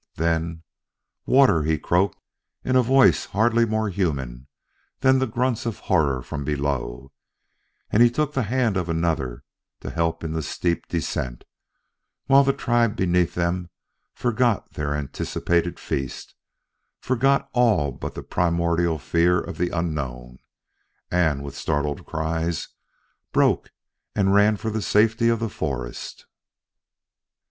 Then, "Water!" he croaked in a voice hardly more human than the grunts of horror from below, and he took the hand of another to help in the steep descent while the tribe beneath them forgot their anticipated feast, forgot all but their primordial fear of the unknown, and, with startled cries, broke and ran for the safety of the forest....